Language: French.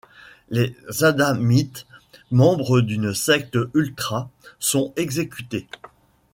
Les adamites, membre d'une secte ultra, sont exécutés.